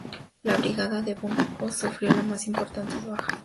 La brigada de von Bock sufrió las más importantes bajas.